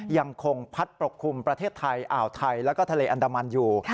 ยังคงพัดปกคลุมประเทศไทยอ่าวไทยแล้วก็ทะเลอันดามันอยู่